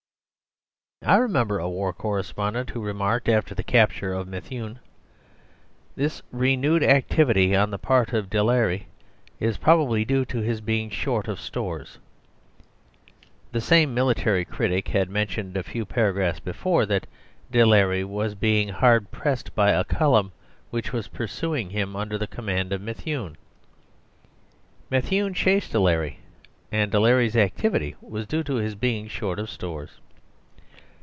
I remember a war correspondent who remarked after the capture of Methuen: "This renewed activity on the part of Delarey is probably due to his being short of stores." The same military critic had mentioned a few paragraphs before that Delarey was being hard pressed by a column which was pursuing him under the command of Methuen. Methuen chased Delarey; and Delarey's activity was due to his being short of stores.